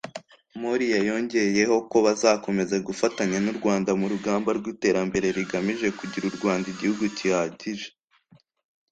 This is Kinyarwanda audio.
Moriya yongeyeho ko bazakomeza gufatanya n’u Rwanda mu rugamba rw’iterambere rigamije kugira u Rwanda igihugu kihagije